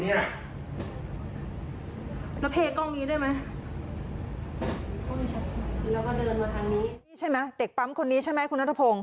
นี่ใช่ไหมเด็กปั๊มคนนี้ใช่ไหมคุณนัทพงศ